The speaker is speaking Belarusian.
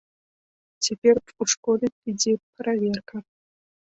Цяпер ў школе ідзе праверка.